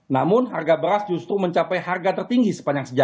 namun harga beras justru mencapai harga tertinggi sepanjang sejarah